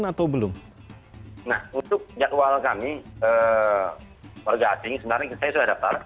atau belum nah untuk jadwal kami warga asing sebenarnya saya sudah daftar